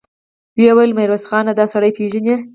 ويې ويل: ميرويس خانه! دآسړی پېژنې؟